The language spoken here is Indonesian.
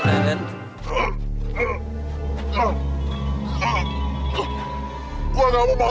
sayangnya kamu masih menjadi urusan kakek